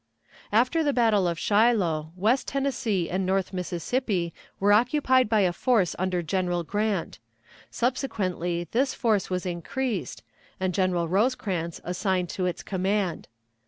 After the battle of Shiloh, West Tennessee and north Mississippi were occupied by a force under General Grant. Subsequently this force was increased, and General Rosecrans assigned to its command.